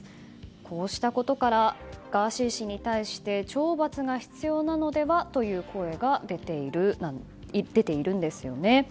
こうしたことからガーシー氏に対して懲罰が必要なのではという声が出ているんですよね。